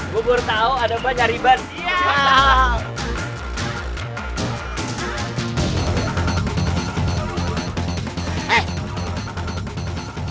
gue baru tau ada mbak nyari ban